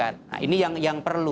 nah ini yang perlu